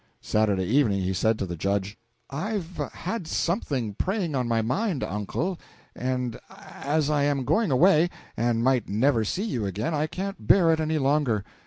Saturday evening he said to the Judge "I've had something preying on my mind, uncle, and as I am going away, and might never see you again, I can't bear it any longer.